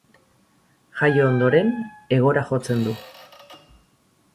Jaio ondoren, hegora jotzen du.